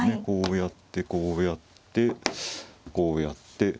こうやってこうやってこうやって。